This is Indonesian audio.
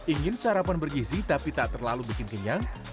ingin sarapan bergizi tapi tak terlalu bikin kenyang